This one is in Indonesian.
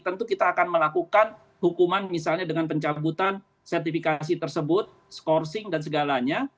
tentu kita akan melakukan hukuman misalnya dengan pencabutan sertifikasi tersebut scourcing dan segalanya